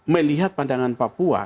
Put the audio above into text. melihat pandangan papua